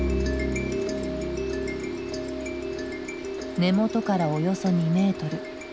根元からおよそ２メートル。